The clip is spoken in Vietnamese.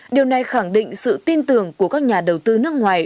điều này khẳng định sự tin tưởng của các nhà đầu tư nước ngoài